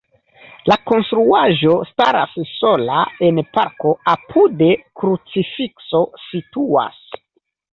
La konstruaĵo staras sola en parko, apude krucifikso situas.